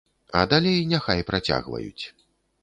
А далей няхай працягваюць.